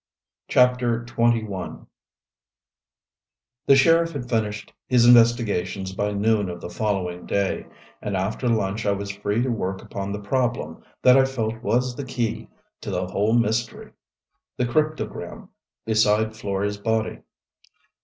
CHAPTER XXI The sheriff had finished his investigations by noon of the following day, and after lunch I was free to work upon the problem that I felt was the key to the whole mystery the cryptogram beside Florey's body.